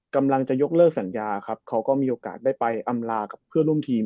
กำลังจะยกเลิกสัญญาครับเขาก็มีโอกาสได้ไปอำลากับเพื่อนร่วมทีม